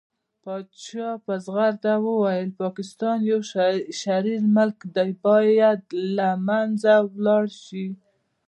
پاچا په ځغرده وويل پاکستان يو شرير ملک دى بايد له منځه ولاړ شي .